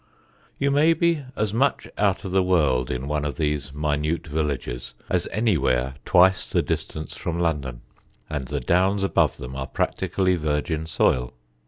You may be as much out of the world in one of these minute villages as anywhere twice the distance from London; and the Downs above them are practically virgin soil.